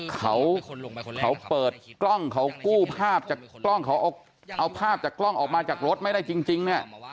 เขาเปิดกล้องเขากู้ภาพจากกล้องเขาเอาภาพจากกล้องออกมาจากรถไม่ได้จริงเนี่ย